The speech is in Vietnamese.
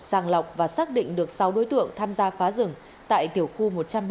sàng lọc và xác định được sáu đối tượng tham gia phá rừng tại tiểu khu một trăm ba mươi